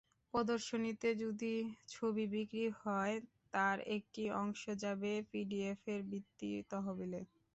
প্রদর্শনীতে যদি ছবি বিক্রি হয়, তার একটি অংশ যাবে পিডিএফের বৃত্তি তহবিলে।